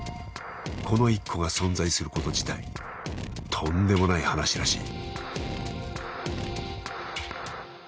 この１個が存在すること自体とんでもない話らしい。